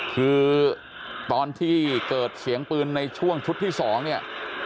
คือตอนที่เกิดเสียงปืนในช่วงชุดที่๒เนี่ย